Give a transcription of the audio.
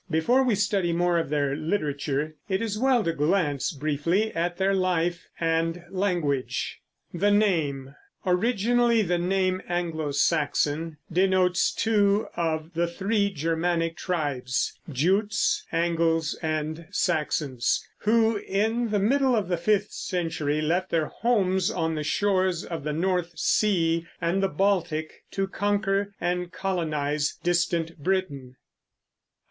Before we study more of their literature it is well to glance briefly at their life and language. THE NAME Originally the name Anglo Saxon denotes two of the three Germanic tribes, Jutes, Angles, and Saxons, who in the middle of the fifth century left their homes on the shores of the North Sea and the Baltic to conquer and colonize distant Britain.